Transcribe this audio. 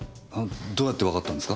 どうやってわかったんですか？